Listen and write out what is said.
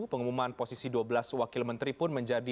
pengumuman posisi dua belas wakil menteri pun menjadi